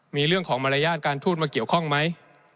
มีเรื่องของมารยาทการทูตมาเกี่ยวข้องไหม